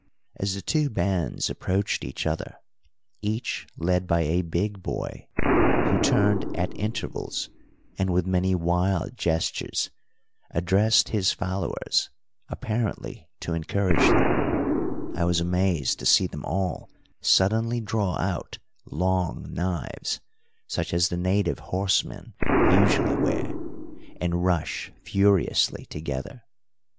As the two bands approached each other, each led by a big boy, who turned at intervals and with many wild gestures addressed his followers, apparently to encourage them, I was amazed to see them all suddenly draw out long knives, such as the native horsemen usually wear, and rush furiously together.